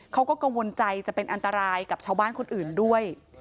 เขาก็กังวลใจจะเป็นอันตรายกับชาวบ้านคนอื่นด้วย